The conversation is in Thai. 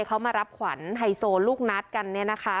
เขามารับขวัญไฮโซลูกนัดกันเนี่ยนะคะ